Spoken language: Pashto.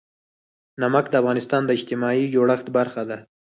نمک د افغانستان د اجتماعي جوړښت برخه ده.